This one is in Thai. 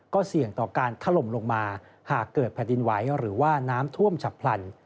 ก็เสี่ยงต่อการถล่มลงมาหากเกิดแผ่นดินไหวหรือว่าน้ำท่วมฉับพลัน